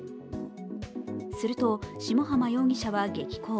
すると、下浜容疑者は激高。